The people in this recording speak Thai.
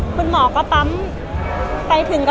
สวัสดีค่ะ